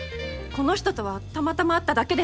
この人とはたまたま会っただけです。